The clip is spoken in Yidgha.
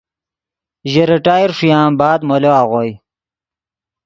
ژے ریٹائر ݰویان بعد مولو آغوئے